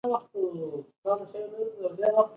د افغانستان د اقتصادي پرمختګ لپاره پکار ده چې کیفیت لوړ شي.